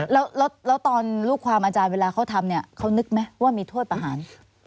แล้วตอนลูกความอาจารย์เวลาเขาทำเนี่ยเขานึกไหมว่ามีโทษประหาร